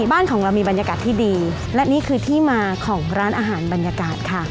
บ้านของเรามีบรรยากาศที่ดีและนี่คือที่มาของร้านอาหารบรรยากาศค่ะ